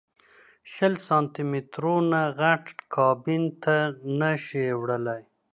شل سانتي مترو نه غټ کابین ته نه شې وړلی.